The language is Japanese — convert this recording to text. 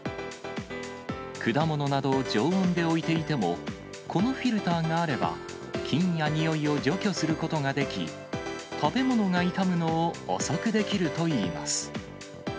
果物などを常温で置いていても、このフィルターがあれば、菌や臭いを除去することができ、食べ物が傷むのを遅くできるといいます。